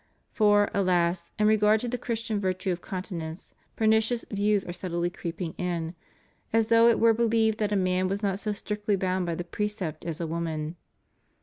For, alas, in regard to the Christian virtue of continence pernicious views are subtly creeping in, as though it were believed that a man was not so strictly bound by the precept as a woman.